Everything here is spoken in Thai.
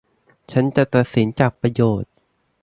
ฉันจะตัดสินจากประโยชน์